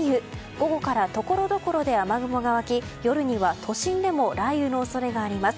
午後からところどころで雨雲が湧き夜には都心でも雷雨の恐れがあります。